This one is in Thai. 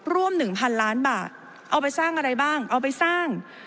ร่วม๑๐๐๐ล้านบาทเอาไปสร้างอะไรบ้างเอาไปสร้าง